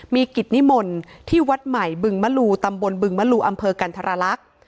มีกิจนิมนต์ที่วัดใหม่บึงมลูตำบลบึงมลูอำเภอกันธรรลักษณ์